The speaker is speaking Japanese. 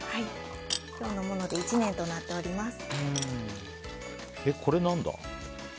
今日のもので１年となっております。